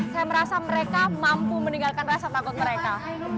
saya merasa mereka mampu meninggalkan rasa takut mereka